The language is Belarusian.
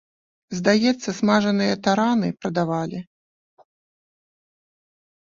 Здаецца, смажаныя тараны прадавалі.